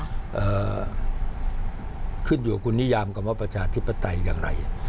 เอ่อขึ้นอยู่กับคุณนิยามคำว่าประชาธิปไตยอย่างไร